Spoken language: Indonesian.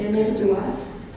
yang menurut juara